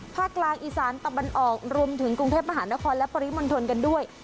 ภาคกลางอีสานตะวันออกรวมถึงกรุงเทพมหานครและปริมณฑลกันด้วย